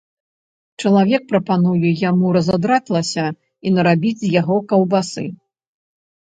Чалавек прапануе яму разадраць лася і нарабіць з яго каўбасы.